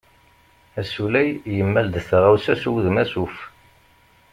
Asulay yemmal-d taɣawsa s wudem asuf.